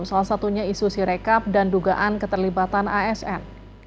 salah satunya isu sirekap dan dugaan keterlibatan asn